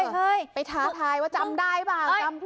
เฮ้ยไปท้าทายว่าจำได้ป่าว